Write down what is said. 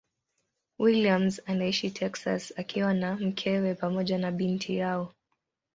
Williams anaishi Texas akiwa na mkewe pamoja na binti yao.